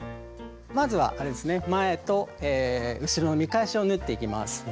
まずは前と後ろの見返しを縫っていきます。